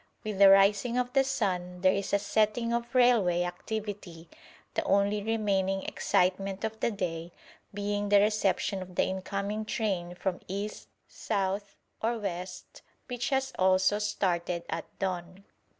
With the rising of the sun there is a setting of railway activity, the only remaining excitement of the day being the reception of the incoming train from east, south, or west, which has also started at dawn.